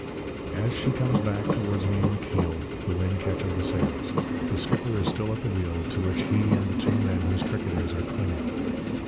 As she comes back towards an even keel the wind catches the sails. The skipper is still at the wheel, to which he and the two men whose trick it is are clinging.